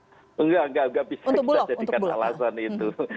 tidak tidak bisa dijadikan alasan itu